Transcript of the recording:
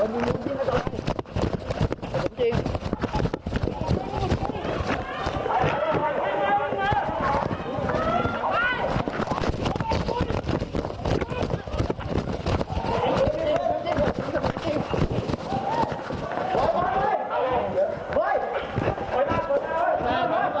มามามา